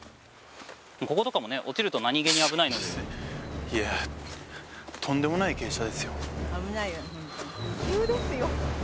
こことかもね落ちると何気に危ないのでいやとんでもない傾斜ですよ